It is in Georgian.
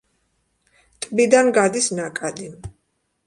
ტბიდან გადის ნაკადი.